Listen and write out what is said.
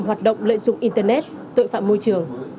hoạt động lợi dụng internet tội phạm môi trường